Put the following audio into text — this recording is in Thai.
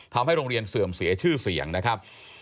ทำให้โรงเรียนเสื่อมเสียชื่อเสียงนะครับ